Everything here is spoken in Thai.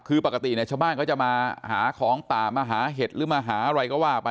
คือปกติเนี่ยชาวบ้านเขาจะมาหาของป่ามาหาเห็ดหรือมาหาอะไรก็ว่าไป